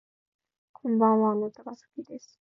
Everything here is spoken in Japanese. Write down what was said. こんばんはあなたが好きです